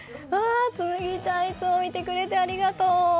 紬ちゃんいつも見てくれてありがとう！